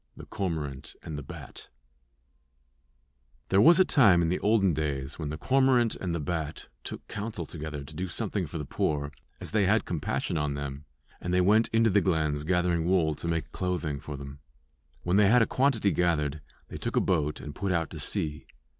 THE CORMORANT AND THE BAT There was a time in the olden days when the cormorant and the bat took counsel together to do something for the poor, as they had compassion on them, and they went into the glens gathering wool to make clothing for them. When they had a quantity gathered they took a boat and put out to sea.